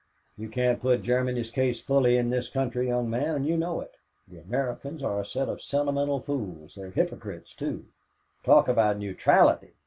"You can't put Germany's case fully in this country, young man, and you know it. The Americans are a set of sentimental fools. They're hypocrites, too. Talk about neutrality!